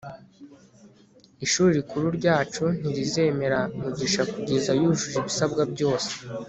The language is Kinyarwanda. ishuri rikuru ryacu ntirizemera mugisha kugeza yujuje ibisabwa byose